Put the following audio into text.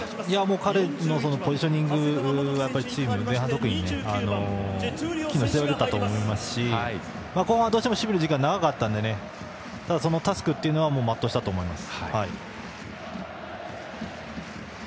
彼のポジショニングが前半、特に機能していたと思いますし後半はどうしても守備の時間が長かったのでただ、そのタスクというのは全うしたと思います。